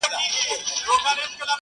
• دا غرونه ؛ غرونه دي ولاړ وي داسي؛